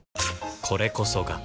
これこそが